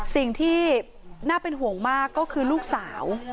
สิ่งที่น่าเป็นห่วงมากก็คือลูกสาว